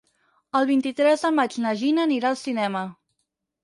El vint-i-tres de maig na Gina anirà al cinema.